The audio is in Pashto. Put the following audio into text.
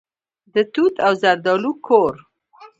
د توت او زردالو کور.